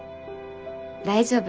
大丈夫。